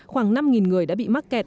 khoảng năm người đã bị mắc kẹt